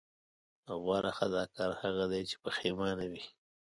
غوره خطاکار هغه دی چې پښېمانه وي.